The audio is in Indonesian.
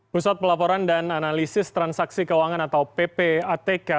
pusat pelaporan dan analisis transaksi keuangan atau ppatk